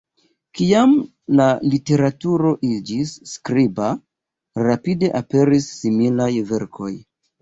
Kiam la literaturo iĝis skriba, rapide aperis similaj verkoj.